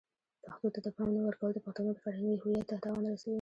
پښتو ته د پام نه ورکول د پښتنو د فرهنګی هویت ته تاوان رسوي.